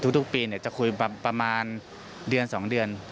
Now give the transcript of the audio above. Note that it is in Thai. ทุกปีจะคุยประมาณเดือน๒เดือน